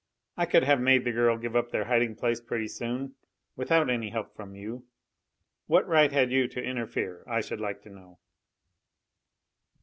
I could have made the girl give up their hiding place pretty soon, without any help from you. What right had you to interfere, I should like to know?"